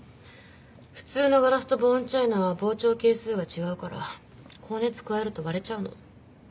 普通のガラスとボーンチャイナは膨張係数が違うから高熱加えると割れちゃうの。